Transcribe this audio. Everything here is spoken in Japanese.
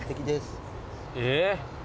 えっ！